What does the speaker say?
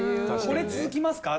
これ続きますか？